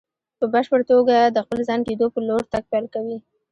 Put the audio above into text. په بشپړ توګه د خپل ځان کېدو په لور تګ پيل کوي.